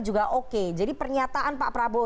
juga oke jadi pernyataan pak prabowo